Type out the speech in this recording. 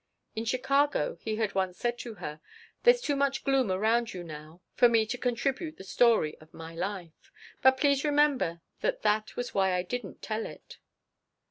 In Chicago he had once said to her: "There's too much gloom around you now for me to contribute the story of my life. But please remember that that was why I didn't tell it."